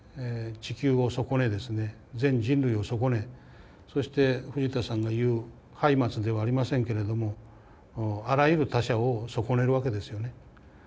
地球を損ねですね全人類を損ねそして藤田さんが言うハイマツではありませんけれどもあらゆる他者を損ねるわけですよね。